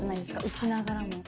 浮きながらも。